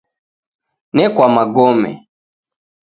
Nekwa magome